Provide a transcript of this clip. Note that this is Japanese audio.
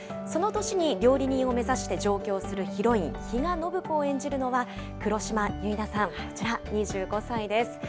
その年に料理人を目指して上京するヒロイン、比嘉暢子を演じるのは、黒島結菜さん、こちら２５歳です。